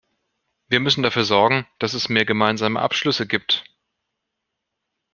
Wir müssen dafür sorgen, dass es mehr gemeinsame Abschlüsse gibt.